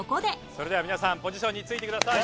それでは皆さんポジションについてください。